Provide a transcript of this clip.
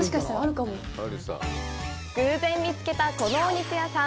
偶然見つけたこのお肉屋さん。